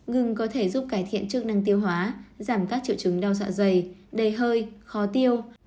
ngừng có thể giúp cải thiện chức năng tiêu hóa giảm các triệu chứng đau dạ dày đề hơi khó tiêu